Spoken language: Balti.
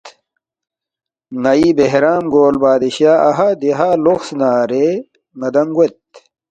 ن٘ئی بہرام گول بادشاہ اَہا دیہا لوقس نارے ن٘دانگ گوید